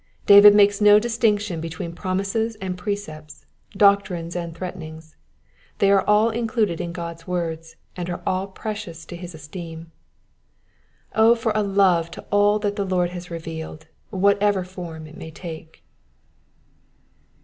David makes no distinction between promises and precepts, doctrines and threatenings ; they are all included in God's words, and all are precious in his esteem. Oh for a deep love to all that the Lord has revealed, whatever form it may take.